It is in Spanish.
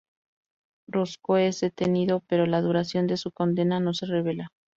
Roscoe es detenido, pero la duración de su condena no se revela.